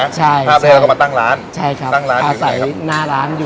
สัก๓๐ปีล่ะครับ